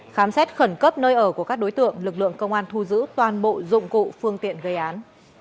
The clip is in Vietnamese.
khám xét khẩn cấp nơi ở của các đối tượng lực lượng công an thu giữ toàn bộ dụng cụ phương tiện gây án